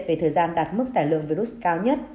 về thời gian đạt mức tài lượng virus cao nhất